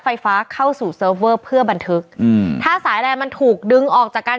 ไฟฟ้าเข้าสู่เพื่อบันทึกอืมถ้าสายแลนด์มันถูกดึงออกจากการ